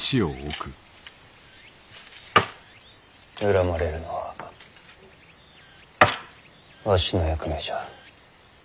恨まれるのはわしの役目じゃ。